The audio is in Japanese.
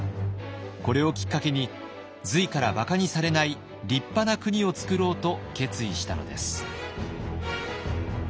これをきっかけに隋からばかにされない立派な国をつくろうと決意したのです。